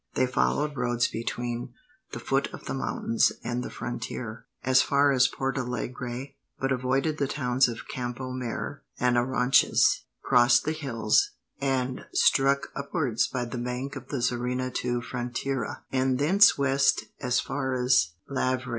They followed the roads between the foot of the mountains and the frontier, as far as Portalegre, but avoided the towns of Campo Mayor and Arronches; crossed the hills, and struck upwards by the bank of the Zarina to Frontiera, and thence west as far as Lavre.